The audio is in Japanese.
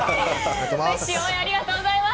応援ありがとうございます。